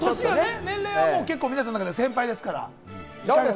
年齢は皆さんの中で先輩ですから。